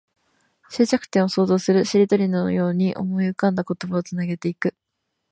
終着点を想像する。しりとりのように思い浮かんだ言葉をつなげていく。